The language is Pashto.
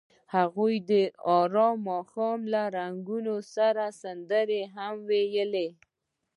هغوی د آرام ماښام له رنګونو سره سندرې هم ویلې.